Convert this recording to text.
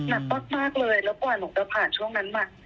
หนักมากเลยแล้วกว่าหนูจะผ่านช่วงนั้นมา